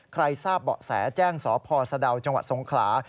ทราบเบาะแสแจ้งสพสะดาวจังหวัดสงขลา